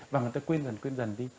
và người ta quên dần quên dần đi